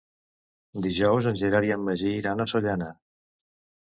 Dijous en Gerard i en Magí iran a Sollana.